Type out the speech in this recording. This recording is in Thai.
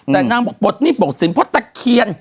แต่นางปรดหนีปรดศิลเพราะตะเคียน